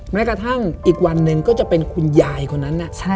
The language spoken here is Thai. แม้กระทั่งอีกวันหนึ่งก็จะเป็นคุณยายคนนั้น